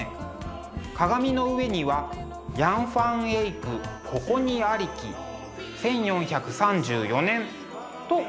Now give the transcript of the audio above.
鏡の上には「ヤン・ファン・エイクここにありき１４３４年」と書いてあります。